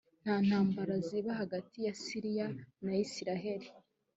nta ntambara ziba hagati ya siriya na isirayeli